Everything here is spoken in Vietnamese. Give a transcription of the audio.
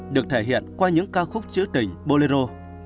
được thể hiện qua những ca khúc trữ tình bolero